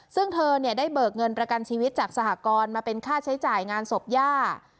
ซึ่งเธอได้เบิกเงินประกันชีวิตจากสหกรณ์มาเป็นค่าใช้จ่ายงานศพย่า